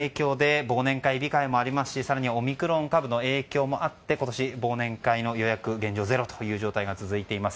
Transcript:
コロナの影響で忘年会控えもありますし更にオミクロン株の影響もあって今年、忘年会の予約は現状ゼロという状態が続いています。